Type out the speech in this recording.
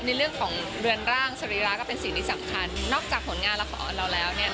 ในเรื่องของเรือนร่างสรีระก็เป็นสิ่งที่สำคัญนอกจากผลงานละครเราแล้วเนี่ย